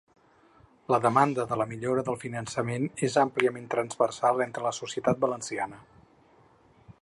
La demanda de la millora del finançament és àmpliament transversal entre la societat valenciana.